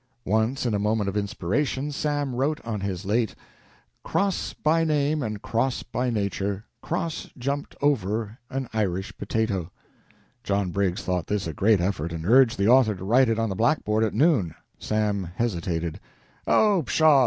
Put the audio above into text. Once in a moment of inspiration Sam wrote on his late: "Cross by name and Cross by nature, Cross jumped over an Irish potato." John Briggs thought this a great effort, and urged the author to write it on the blackboard at noon. Sam hesitated. "Oh, pshaw!"